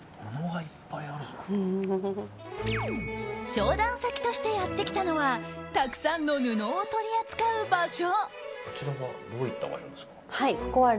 商談先としてやってきたのはたくさんの布を取り扱う場所。